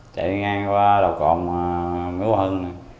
chạy ngang qua đầu cộng miếu hưng